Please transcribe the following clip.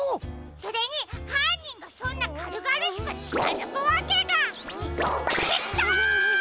それにはんにんがそんなかるがるしくちかづくわけが。ってきた！